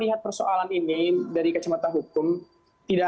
haris dulu mbak